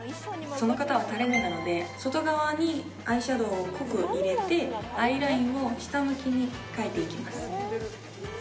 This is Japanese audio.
その方は垂れ目なので外側に濃く入れて、アイラインを下向きに書いていきます。